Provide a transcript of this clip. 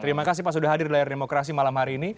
terima kasih pak sudah hadir di layar demokrasi malam hari ini